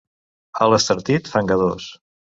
A l'Estartit, fangadors.